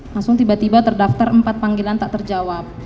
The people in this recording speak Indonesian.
langsung tiba tiba terdaftar empat panggilan tak terjawab